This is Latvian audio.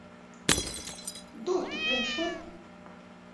Dod tik vien šurp!